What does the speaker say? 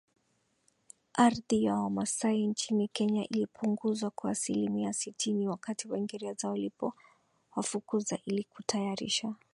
ardhi ya Wamasai nchini Kenya ilipunguzwa kwa asilimia sitini wakati Waingereza walipowafukuza ili kutayarisha